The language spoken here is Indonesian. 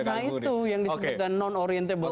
nah itu yang disebutkan non orientable